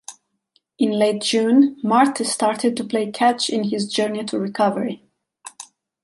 In late June, Marte started to play catch in his journey to recovery.